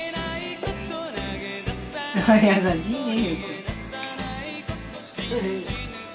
優しいね。